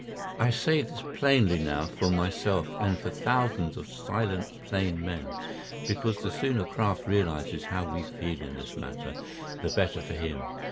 I say this plainly now for myself and for thousands of silent plain men, because the sooner Kraft realises how we feel in this matter the better for him.